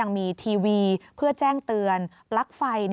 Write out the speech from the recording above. เป็นขบวนรถที่จะช่วยลดปัญหามลภาวะทางอากาศได้ด้วยค่ะ